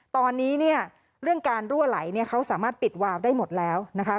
ตอนนี้เนี่ยเรื่องการรั่วไหลเนี่ยเขาสามารถปิดวาวได้หมดแล้วนะคะ